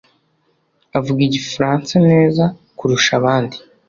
avuga igifaransa neza kurusha abandi